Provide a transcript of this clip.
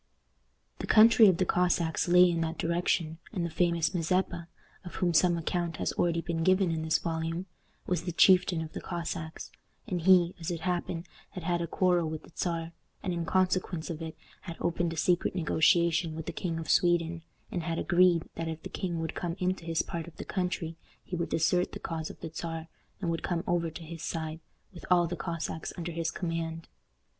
The country of the Cossacks lay in that direction, and the famous Mazeppa, of whom some account has already been given in this volume, was the chieftain of the Cossacks, and he, as it happened, had had a quarrel with the Czar, and in consequence of it had opened a secret negotiation with the King of Sweden, and had agreed that if the king would come into his part of the country he would desert the cause of the Czar, and would come over to his side, with all the Cossacks under his command.